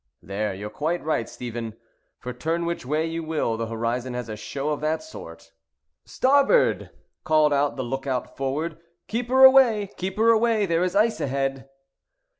"There you're quite right, Stephen, for turn which way you will the horizon has a show of that sort"— "Starboard!" called out the lookout forward. "Keep her away—keep her away—there is ice ahead!"